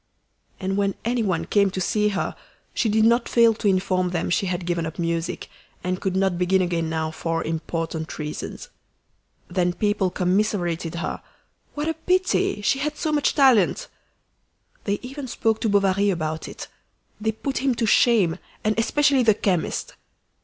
And when anyone came to see her, she did not fail to inform them she had given up music, and could not begin again now for important reasons. Then people commiserated her "What a pity! she had so much talent!" They even spoke to Bovary about it. They put him to shame, and especially the chemist.